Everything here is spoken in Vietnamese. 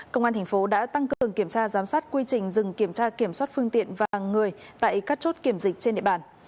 công an thành phố đã tăng cường kiểm tra giám sát quy trình dừng kiểm tra kiểm soát phương tiện và người tại các chốt kiểm dịch trên địa bàn